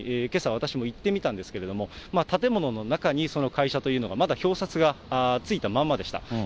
私も行ってみたんですけれども、建物の中にその会社というのが、まだ表札がついたまんまでした。